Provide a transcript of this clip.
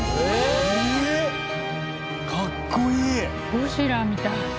ゴジラみたい。